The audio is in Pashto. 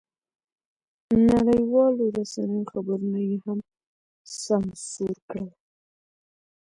نړیوالو رسنیو خبرونه یې هم سانسور کړل.